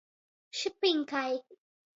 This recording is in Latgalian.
Šipiņkai.